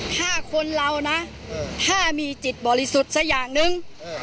ถ้าคนเรานะถ้ามีจิตบริสุทธิ์สักอย่างหนึ่ง